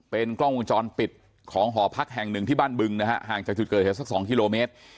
เป็นกล้องวงจรปิดของห่อพักแห่ง๑ที่บ้านบึงนะฮะห่างจากจุดเกิด๒คิโลเมตร